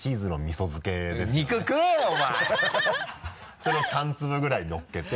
それを３粒ぐらいのっけて。